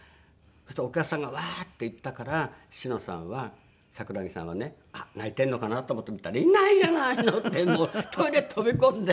そしたらお客さんがうわー！って言ったから紫乃さんは桜木さんはねあっ泣いてんのかな？と思って見たらいないじゃないの！ってもうトイレ飛び込んで。